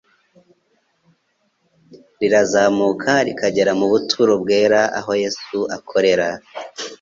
rirazamuka rikagera mu buturo bwera aho Yesu akorera,